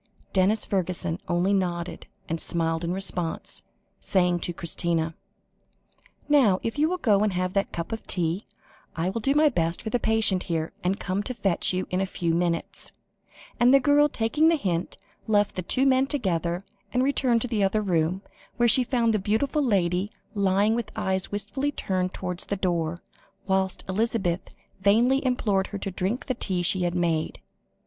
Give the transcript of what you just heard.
Denis Fergusson only nodded and smiled in response, saying to Christina "Now, if you will go and have that cup of tea, I will do my best for the patient here, and come to fetch you in a few minutes"; and the girl, taking the hint, left the two men together, and returned to the other room, where she found the beautiful lady lying with eyes wistfully turned towards the door, whilst Elizabeth vainly implored her to drink the tea she had made.